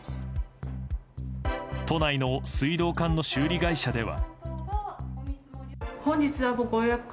都内の水道管の修理会社では。